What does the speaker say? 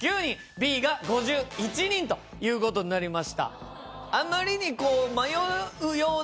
Ｂが５１人ということになりました。